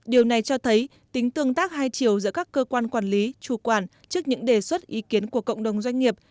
điều này cho thấy tính tương tác hai chiều giữa các cơ quan quản lý chủ quản trước những đề xuất ý kiến của cộng đồng doanh nghiệp